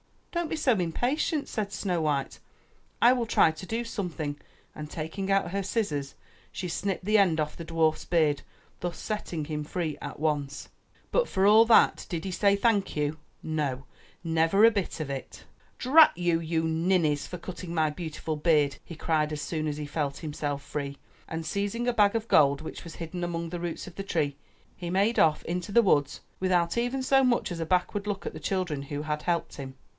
"Don't be so impatient," said Snow white. "I will try to do something else." And taking out her scissors, she snipped the end off the dwarf's beard, thus setting him free at once. But for all that did he say thank you? No ! never a bit of it ! "Drat you, you ninnies, for cutting my beautiful beard," he cried as soon as he felt himself free. And seizing a bag full of gold which was hidden among the roots of the tree, he made off into the woods without even so much as a backward look at the children who had helped him.